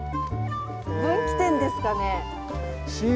分岐点ですかね。